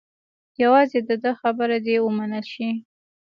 یوازې د ده خبره دې ومنل شي.